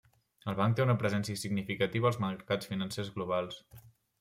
El banc té una presència significativa als mercats financers globals.